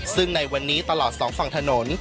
ซึ่งในวันนี้ตลอดสองฝั่งถนน